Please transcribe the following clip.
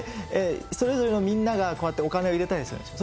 それぞれのみんながこうやってお金を入れたりするんですよ。